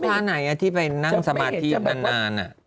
ครอบคราวไหนที่ไปนั่งสมาธินาน